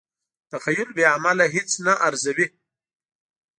تخیل بې عمله هیڅ نه ارزوي.